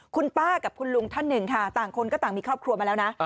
คุณป้ากับคุณลุงท่านหนึ่งค่ะต่างคนก็ต่างมีครอบครัวมาแล้วนะ